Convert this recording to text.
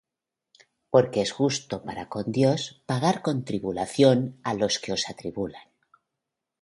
Porque es justo para con Dios pagar con tribulación á los que os atribulan;